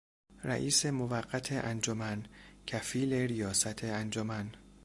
رئیس موقت انجمن، کفیل ریاست انجمن